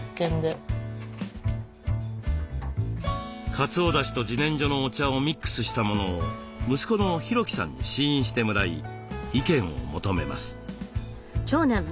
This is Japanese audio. かつおだしとじねんじょのお茶をミックスしたものを息子の裕紀さんに試飲してもらい意見を求めます。